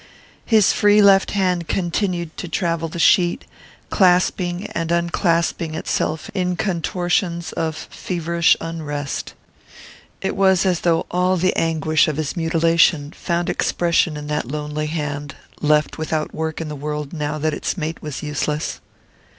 His free left hand continued to travel the sheet, clasping and unclasping itself in contortions of feverish unrest. It was as though all the anguish of his mutilation found expression in that lonely hand, left without work in the world now that its mate was useless.